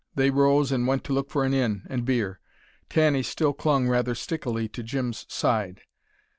They rose, and went to look for an inn, and beer. Tanny still clung rather stickily to Jim's side.